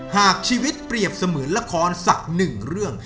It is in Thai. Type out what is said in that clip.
หากชีวิตเปรียบเสมือนละครสักหนึ่งเรื่อง